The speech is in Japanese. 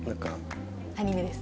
アニメです。